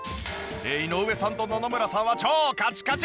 井上さんと野々村さんは超カチカチ！